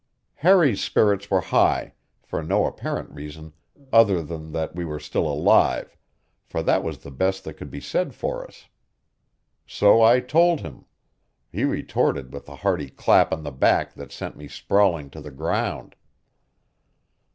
Harry's spirits were high, for no apparent reason other than that we were still alive, for that was the best that could be said for us. So I told him; he retorted with a hearty clap on the back that sent me sprawling to the ground.